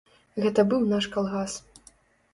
Гэта быў наш калгас.